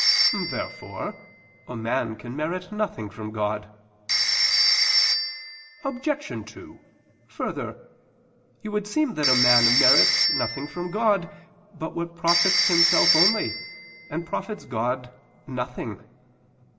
Therefore a man can merit nothing from God. Obj. 2: Further, it would seem that a man merits nothing from God, by what profits himself only, and profits God nothing.